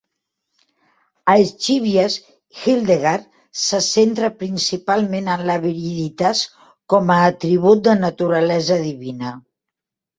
A "Scivias", Hildegard se centra principalment en la viriditas com a atribut de naturalesa divina.